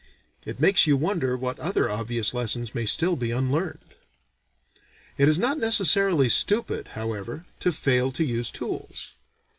It makes you wonder what other obvious lessons may still be unlearned. It is not necessarily stupid however, to fail to use tools.